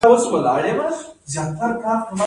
د میاشتنۍ ناروغۍ د ځنډ لپاره د زعفران چای وڅښئ